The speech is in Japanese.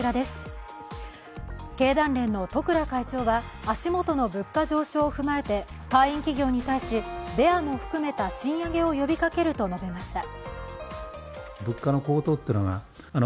経団連の十倉会長は、足元の物価上昇を踏まえて会員企業に対しベアも含めた賃上げを呼びかけると述べました。